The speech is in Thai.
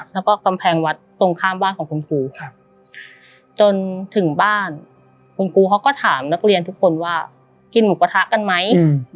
แล้วก็กำแพงวัดตรงข้ามบ้านของคุณครูจนถึงบ้านคุณครูเขาก็ถามนักเรียนทุกคนว่ากินหมูกระทะกันไหม